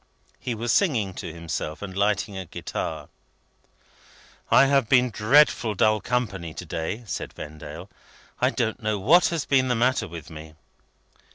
He was singing to himself, and lighting a cigar. "I have been drearily dull company to day," said Vendale. "I don't know what has been the matter with me."